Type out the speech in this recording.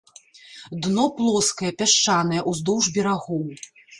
Дно плоскае, пясчанае ўздоўж берагоў.